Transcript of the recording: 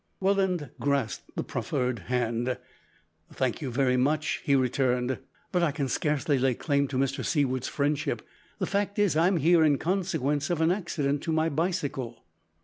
Welland grasped the proffered hand. "Thank you very much," he returned, "but I can scarcely lay claim to Mr Seaward's friendship. The fact is, I am here in consequence of an accident to my bicycle."